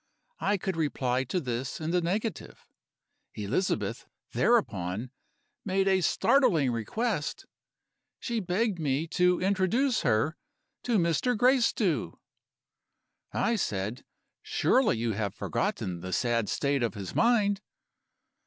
I could reply to this in the negative. Elizabeth, thereupon, made a startling request; she begged me to introduce her to Mr. Gracedieu. "I said: 'Surely, you have forgotten the sad state of his mind?